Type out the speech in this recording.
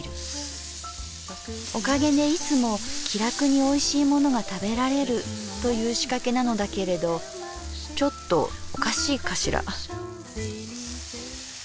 おかげでいつも気楽においしいものが食べられるという仕掛けなのだけれどちょっとおかしいかしら」。